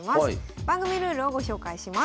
番組ルールをご紹介します。